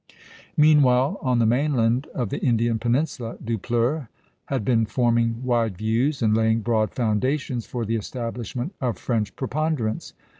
Meanwhile, on the mainland of the Indian peninsula, Dupleix had been forming wide views and laying broad foundations for the establishment of French preponderance.